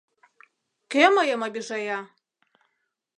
— Кӧ мыйым обижая!